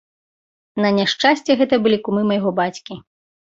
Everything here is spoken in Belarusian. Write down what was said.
На няшчасце, гэта былі кумы майго бацькі.